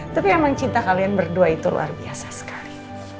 tapi emang cinta kalian berdua itu luar biasa sekali